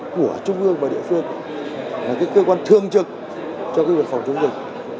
của trung ương và địa phương là cái cơ quan thương trực cho cái vật phòng chống dịch